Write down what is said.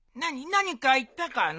何か言ったかの？